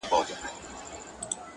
او قاضي ته یې د میني حال بیان کړ،